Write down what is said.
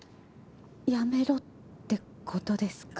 やめろってことですか？